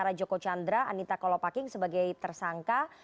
ada joko chandra anita kolopaking sebagai tersangka